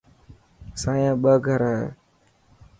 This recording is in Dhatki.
اسايا ٻه گھر هي.